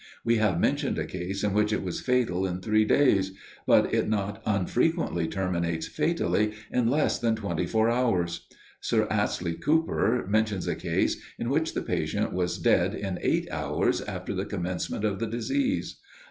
We have mentioned a case in which it was fatal in three days, but it not unfrequently terminates fatally in less than twenty four hours. Sir Astley Cooper mentions a case in which the patient was dead in eight hours after the commencement of the disease.